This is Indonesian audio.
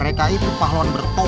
mereka itu pahlawan bertopek